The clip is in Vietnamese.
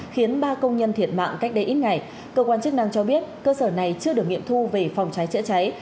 khiến ba công nhân thiệt mạng cách đây ít ngày cơ quan chức năng cho biết cơ sở này chưa được nghiệm thu về phòng cháy chữa cháy